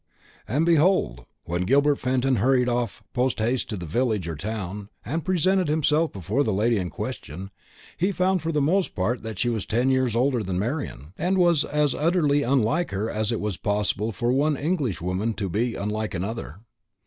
And, behold, when Gilbert Fenton hurried off post haste to the village or town, and presented himself before the lady in question, he found for the most part that she was ten years older than Marian, and as utterly unlike her as it was possible for one Englishwoman to be unlike another.